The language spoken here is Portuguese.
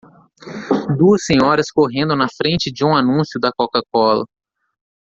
Duas senhoras correndo na frente de um anúncio da CocaCola.